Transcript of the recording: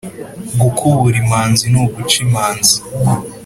gukubura imanzi ni uguca imanzi